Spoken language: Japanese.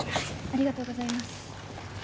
ありがとうございます。